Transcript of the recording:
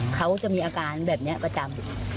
เขาจะเหมือนกับยาเสพติดอ่ะ